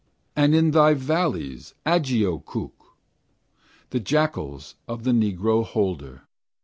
And in thy valleys, Agiochook! The jackals of the negro holder.